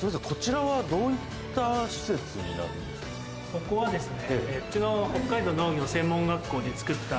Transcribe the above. ここはですね。